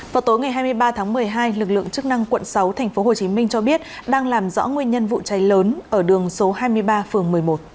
vào tối ngày hai mươi ba tháng một mươi hai lực lượng chức năng quận sáu tp hcm cho biết đang làm rõ nguyên nhân vụ cháy lớn ở đường số hai mươi ba phường một mươi một